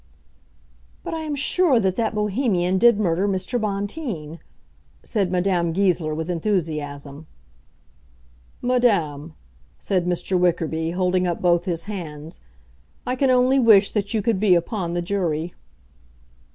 "But I am sure that that Bohemian did murder Mr. Bonteen," said Madame Goesler, with enthusiasm. "Madame," said Mr. Wickerby, holding up both his hands, "I can only wish that you could be upon the jury."